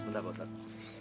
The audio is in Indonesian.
sebentar pak ustadz